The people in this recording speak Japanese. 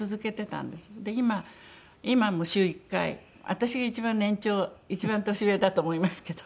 私が一番年長一番年上だと思いますけど。